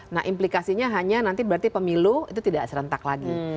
nah implikasinya hanya nanti berarti pemilu itu tidak serentak lagi